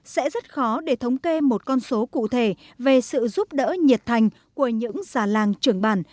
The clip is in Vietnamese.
sẽ rất khó để thống kê một con số cụ thể về sự giúp đỡ nhiệt thành của những già làng trưởng bản